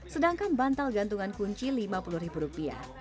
sedangkan bantal gantungan kunci lima puluh ribu rupiah